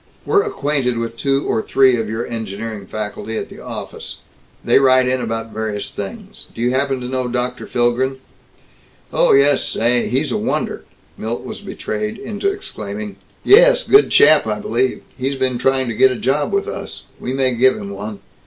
We're acquainted with two or three of your engineering faculty at the Office. They write in about various things. Do you happen to know Dr. Philgren?" "Oh yes. Say! He's a wonder!" Milt was betrayed into exclaiming. "Yes. Good chap, I believe. He's been trying to get a job with us. We may give him one.